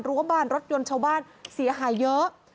ว่าบ้านรถยนต์ชาวบ้านเสียหายเยอะ